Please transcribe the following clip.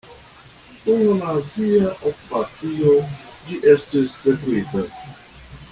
Dum la nazia okupacio ĝi estis detruita.